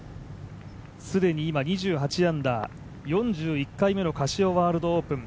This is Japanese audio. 既に今２８アンダー、４１回目のカシオワールドオープン。